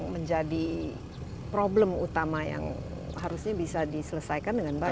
menjadi problem utama yang harusnya bisa diselesaikan dengan baik